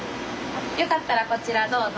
よかったらこちらどうぞ。